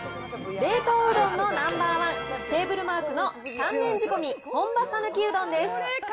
冷凍うどんのナンバーワン、テーブルマークの丹念仕込み本場さぬきうどんです。